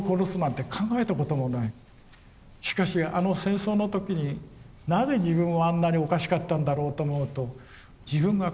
しかしあの戦争の時になぜ自分はあんなにおかしかったんだろうと思うと自分が怖い。